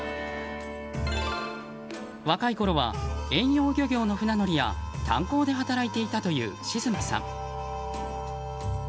若いころは、遠洋漁業の船乗りや炭鉱で働いていたというしずまさん。